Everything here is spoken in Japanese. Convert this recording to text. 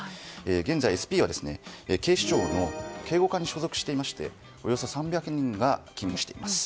現在ＳＰは警視庁の警護課に所属していましておよそ３００人が勤務しています。